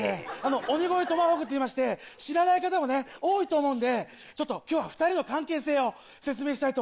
鬼越トマホークっていいまして知らない方もね多いと思うんでちょっと今日は２人の関係性を説明したいと思います。